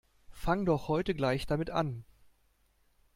Fang' doch heute gleich damit an!